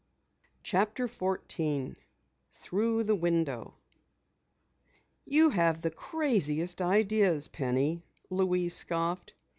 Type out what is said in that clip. CHAPTER 14 THROUGH THE WINDOW "You have the craziest ideas, Penny," Louise scoffed.